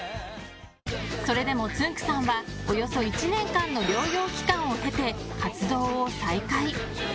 それでも、つんく♂さんはおよそ１年間の療養期間を経て活動を再開。